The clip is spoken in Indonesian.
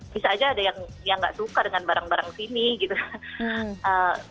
bisa aja ada yang gak suka dengan barang barang sini gitu